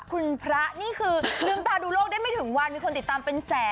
คุณพระนี่คือลืมตาดูโลกได้ไม่ถึงวันมีคนติดตามเป็นแสน